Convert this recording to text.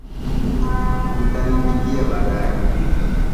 Utanipigia baadae